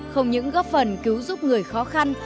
không những góp phần cứu giúp người khó khăn